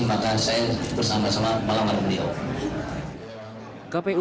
maka saya bersama sama malam hari beliau